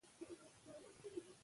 آیا هنر د ښکلا د څرګندولو لاره ده؟